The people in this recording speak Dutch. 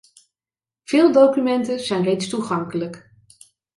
Veel documenten zijn reeds toegankelijk.